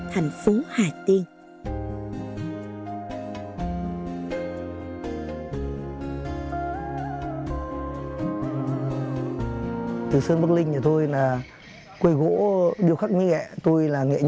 thành phố hà tiên